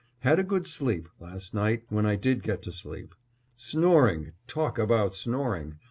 Had a good sleep last night when I did get to sleep. Snoring, talk about snoring!